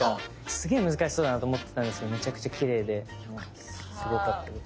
すげえ難しそうだなと思ってたんですけどめちゃくちゃきれいですごかったです。